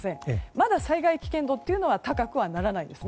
まだ災害危険度は高くならないです